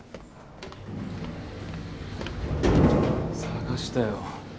探したよ。